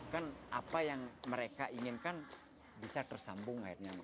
kan apa yang mereka inginkan bisa tersambung akhirnya